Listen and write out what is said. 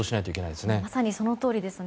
まさにそのとおりですね。